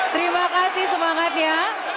terima kasih semangatnya